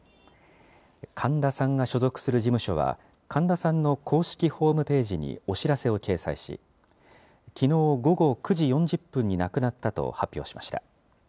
神田さんが所属する事務所は、神田さんの公式ホームページにお知らせを掲載し、きのう午後９時４０分に亡くなったと発表しました。